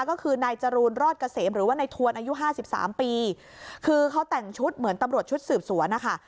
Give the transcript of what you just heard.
ก็คือนายจรูนรอดเกษมหรือว่าในทวนอายุห้าสิบสามปีคือเขาแต่งชุดเหมือนตำรวจชุดสืบสวนนะคะ